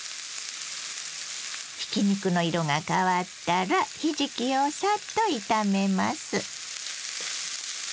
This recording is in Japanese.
ひき肉の色が変わったらひじきをさっと炒めます。